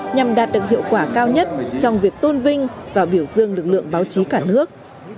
nhằm đạt được hiệu quả cao nhất trong việc tôn vinh và biểu dương lực lượng báo chí cả nước